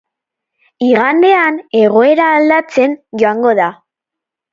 Igandean egoera aldatzen joango da.